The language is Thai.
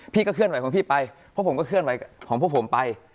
พี่ก็เคลื่อนไหวของพี่ไปเพราะผมก็เคลื่อนไหวของพวกผมไป